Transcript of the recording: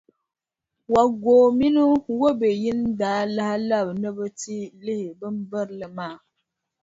Wagow mini Wobeyin daa lahi labi ni bɛ ti lihi bimbirili maa.